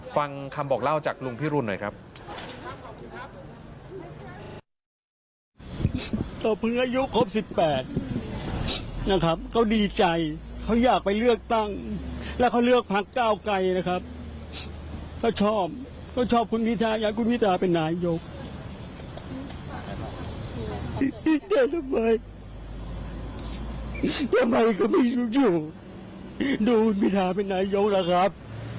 ฟังคำบอกเล่าจากลุงพิรุณหน่อยครับ